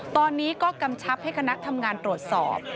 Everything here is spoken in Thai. ตอนนี้ก็กำชับให้คณะทำงานตรวจสอบ